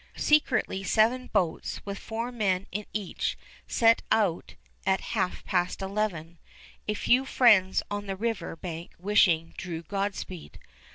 Secretly seven boats, with four men in each, set out at half past eleven, a few friends on the river bank wishing Drew Godspeed.